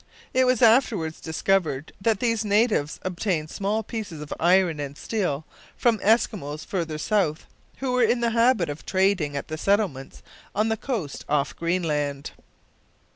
It was afterwards discovered that these natives obtained small pieces of iron and steel from the Eskimos further south, who were in the habit of trading at the settlements on the coast of Greenland.